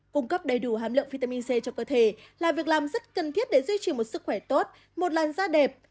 cung cấp đầy đủ hàm lượng vitamin c cho cơ thể là việc làm rất cần thiết để duy trì một sức khỏe tốt một làn da đẹp